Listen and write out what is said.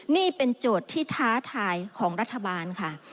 นี่เป็นโจทย์ที่ท้าทายของรัฐบาลค่ะ